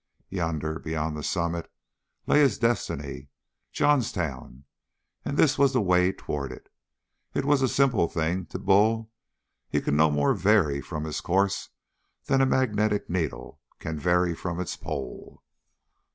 Yonder, beyond the summit, lay his destiny Johnstown and this was the way toward it; it was a simple thing to Bull. He could no more vary from his course than a magnetic needle can vary from its pole.